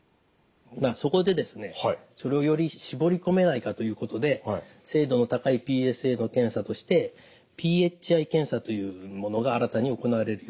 そこでですねそれをより絞り込めないかということで精度の高いＰＳＡの検査としてｐｈｉ検査というものが新たに行われるようになりました。